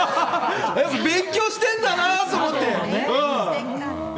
勉強してるんだなと思って。